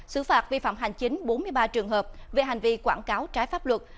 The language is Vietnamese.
xử phạt vi phạm hành chính bốn mươi ba trường hợp về hành vi quảng cáo trái pháp luật